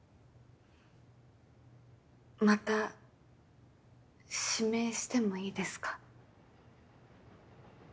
また指名してもいいですか？